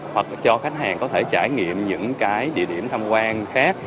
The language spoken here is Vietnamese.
hoặc cho khách hàng có thể trải nghiệm những cái địa điểm tham quan khác